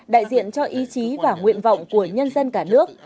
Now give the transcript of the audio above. đại diện cho ý chí và nguyện vọng của nhân dân cả nước